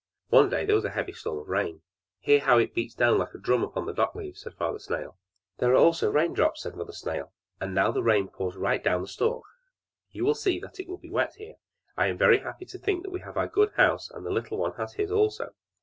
One day there was a heavy storm of rain. "Hear how it beats like a drum on the dock leaves!" said Father Snail. "There are also rain drops!" said Mother Snail. "And now the rain pours right down the stalk! You will see that it will be wet here! I am very happy to think that we have our good house, and the little one has his also!